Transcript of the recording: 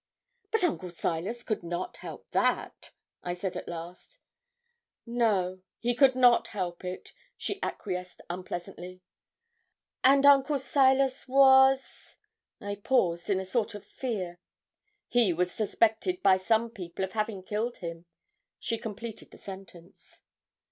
'But Uncle Silas could not help that,' I said at last. 'No, he could not help it,' she acquiesced unpleasantly. 'And Uncle Silas was' I paused in a sort of fear. 'He was suspected by some people of having killed him' she completed the sentence.